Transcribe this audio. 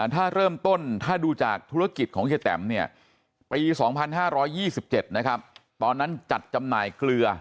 ถ้าเริ่มต้นถ้าดูจากธุรกิจของเฮียแตมเนี่ยปี๒๕๒๗นะครับตอนนั้นจัดจำหน่ายเกลือ